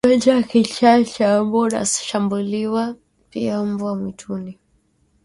Ugonjwa wa kichaa cha mbwa unashambulia pia mbwa mwituni